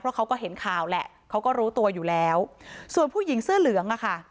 เพราะเขาก็เห็นข่าวแหละเขาก็รู้ตัวอยู่แล้วส่วนผู้หญิงเสื้อเหลืองอ่ะค่ะ